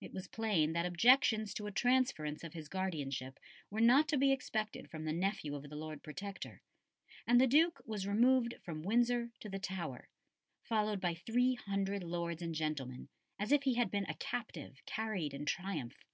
It was plain that objections to a transference of his guardianship were not to be expected from the nephew of the Lord Protector, and the Duke was removed from Windsor to the Tower, followed by three hundred lords and gentlemen, "as if he had been a captive carried in triumph."